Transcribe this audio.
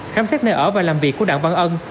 khám xét nơi ở và làm việc của đặng văn ân